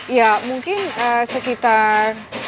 ya mungkin sekitar